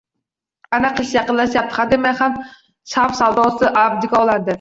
Ana qish yaqinlashyapti, hademay sham savdosi avjiga chiqadi